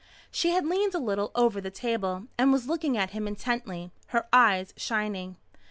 She had leaned a little over the table, and was looking at him intently, her eyes shining.